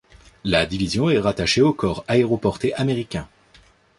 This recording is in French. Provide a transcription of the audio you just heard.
La division est rattachée au corps aéroporté américain.